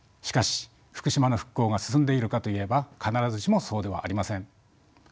しかし福島の復興が進んでいるかといえば必ずしもそうではありません。